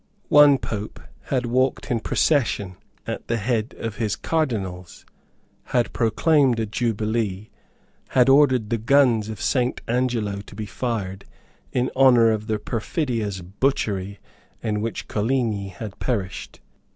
One Pope had walked in procession at the head of his cardinals, had proclaimed a jubilee, had ordered the guns of Saint Angelo to be fired, in honour of the perfidious butchery in which Coligni had perished.